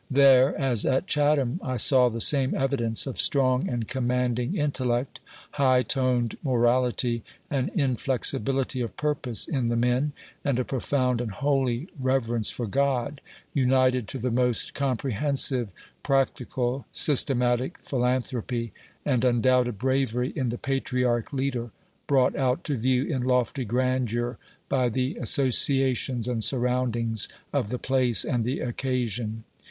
There, as at Chatham, I saw the same evidence of strong and commanding intellect, high toned morality, and inflexibility of purpose in the men, and a profound and holy reverence for* God, united to the most comprehensive, practical, system atic philanthropy, and undoubted bravery in the patriarch"* leader, brought out to view in lofty grandeur by the associa tions and surroundings of the place and the occasion.